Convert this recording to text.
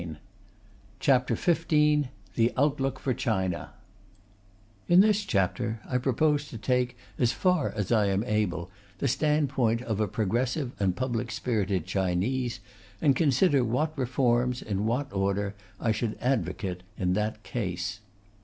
] CHAPTER XV THE OUTLOOK FOR CHINA In this chapter I propose to take, as far as I am able, the standpoint of a progressive and public spirited Chinese, and consider what reforms, in what order, I should advocate in that case.